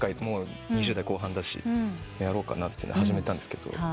もう２０代後半だしやろうかなって始めたんです。